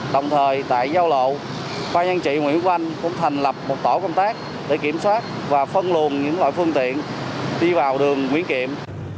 đồng thời tại giao lộ khoa nhân trị nguyễn quang cũng thành lập một tổ công tác để kiểm soát và phân luồn những loại phương tiện đi vào đường nguyễn kiệm